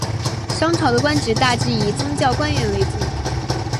商朝的官职大致以宗教官员为主。